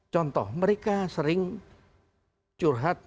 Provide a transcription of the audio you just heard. contoh mereka sering curhat